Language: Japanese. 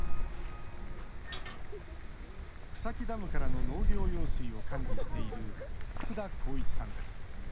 草木ダムからの農業用水を管理している福田浩一さんです。